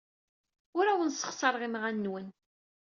Ur awen-ssexṣareɣ imɣan-nwen.